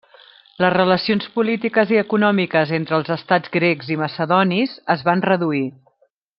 Les relacions polítiques i econòmiques entre els estats grecs i macedonis es van reduir.